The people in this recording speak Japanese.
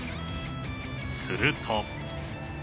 すると。